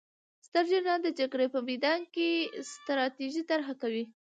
ستر جنرال د جګړې په میدان کې ستراتیژي طرحه کوي.